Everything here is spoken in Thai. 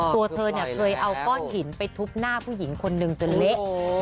ตัวเธอเนี่ยเคยเอาก้อนหินไปทุบหน้าผู้หญิงคนนึงจนเละ